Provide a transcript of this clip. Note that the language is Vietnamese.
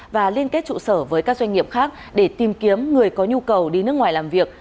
và liên kết trụ sở với các doanh nghiệp khác để tìm kiếm người có nhu cầu đi nước ngoài làm việc